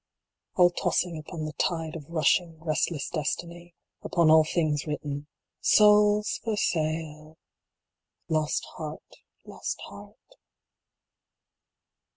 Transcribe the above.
All tossing upon the tide of rushing, restless destiny ; Upon all things written : Souls for sale ! Lost Heart, lost Heart